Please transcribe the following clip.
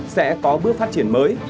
sẽ có bước phát triển mới